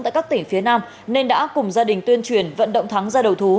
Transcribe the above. tại các tỉnh phía nam nên đã cùng gia đình tuyên truyền vận động thắng ra đầu thú